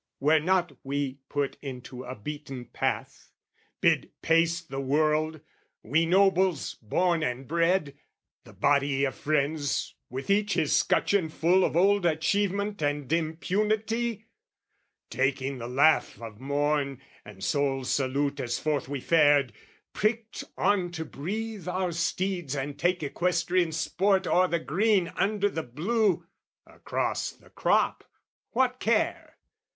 Were not we put into a beaten path, Bid pace the world, we nobles born and bred, The body of friends with each his scutcheon full Of old achievement and impunity, Taking the laugh of morn and Sol's salute As forth we fared, pricked on to breathe our steeds And take equestrian sport over the green Under the blue, across the crop, what care?